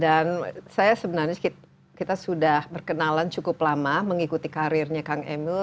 dan saya sebenarnya kita sudah berkenalan cukup lama mengikuti karirnya kang emil